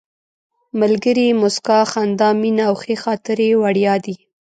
ملګري، موسکا، خندا، مینه او ښې خاطرې وړیا دي.